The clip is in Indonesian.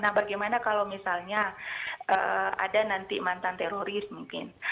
nah bagaimana kalau misalnya ada nanti mantan teroris mungkin